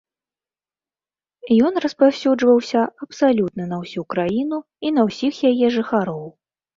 Ён распаўсюджваўся абсалютна на ўсю краіну і на ўсіх яе жыхароў.